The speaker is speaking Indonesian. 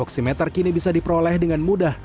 oksimeter kini bisa diperoleh dengan mudah